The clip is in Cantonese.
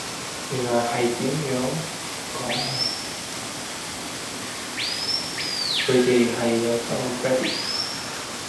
原來係點樣講啊，佢哋係有三個 Credit